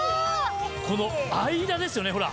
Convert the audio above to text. この間ですよねほら。